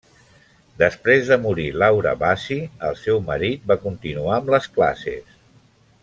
Després de morir Laura Bassi, el seu marit va continuar amb les classes.